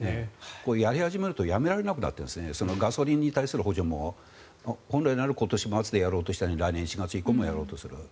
やり始めるとやめられなくなってガソリンに対する補助も本来なら今年末でやめようとしたのに来年４月以降もやろうとする。